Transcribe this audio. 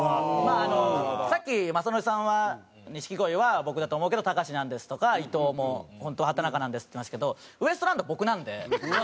さっき雅紀さんは「錦鯉は僕だと思うけど隆なんです」とか伊藤も「本当は畠中なんです」って言ってましたけどウエストランドは僕なんで。